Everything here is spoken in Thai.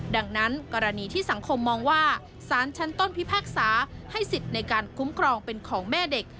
ดังนั้นกรณีที่สังคมมองว่าสารชั้นต้นพิพากษาให้สิทธิ์ในการคุ้มครองเป็นของแม่เด็ก